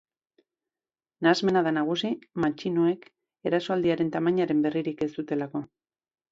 Nahasmena da nagusi, matxinoek erasoaldiaren tamainaren berririk ez dutelako.